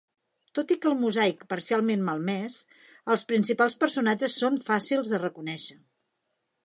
Tot i que el mosaic parcialment malmès, els principals personatges són fàcils de reconèixer.